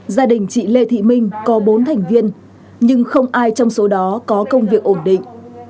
gia đình chị lê thị minh có bốn thành viên nhưng không ai trong số đó có công việc ổn định